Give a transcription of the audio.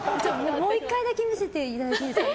もう１回だけ見せていただいていいですか。